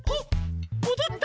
もどった！